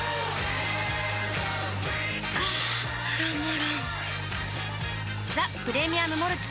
あたまらんっ「ザ・プレミアム・モルツ」